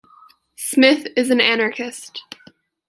Smith is an anarchist.